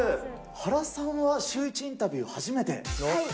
原さんは、シューイチインタビュー初めて？